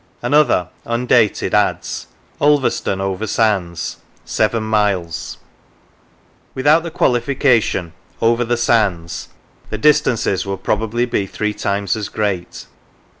Another, undated, adds: " Ulverston over sands: seven miles." Without the qualification " over the sands," the distances would probably be three times as great.